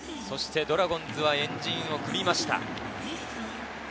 そしてドラゴンズは円陣を組みました。